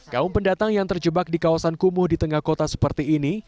kaum pendatang yang terjebak di kawasan kumuh di tengah kota seperti ini